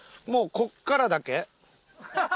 もうここからだけ。